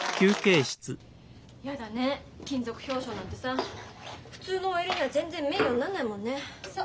やだね勤続表彰なんてさ普通のＯＬには全然名誉になんないもんね。そっ。